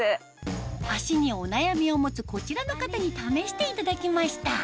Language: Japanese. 足にお悩みを持つこちらの方に試していただきました